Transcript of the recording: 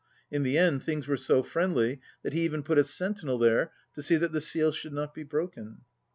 In the end things were so friendly that he even put a sentinel there to see that the seal should not be broken.